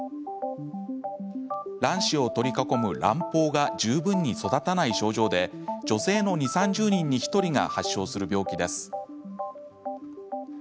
卵子を取り囲む卵胞が十分に育たない症状で女性の２０、３０人に１人が発症する病気です。